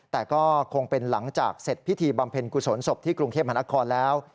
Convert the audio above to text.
แต่ก็คงเป็นหลังจากเสร็จพิธีบำเพ็ญกุศลศพที่กรุงเทพมหานครแล้ว